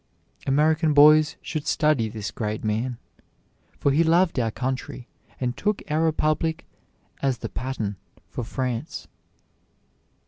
American boys should study this great man, for he loved our country, and took our Republic as the pattern for France.